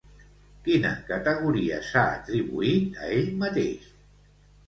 Quina categoria s'ha atribuït a ell mateix?